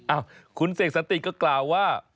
อ้าวคุณเสกสันติก็กล่าวว่า